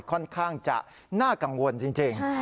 ค่อนข้างจะน่ากังวลจริง